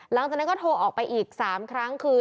หลังจากนั้นก็โทรออกไปอีก๓ครั้งคือ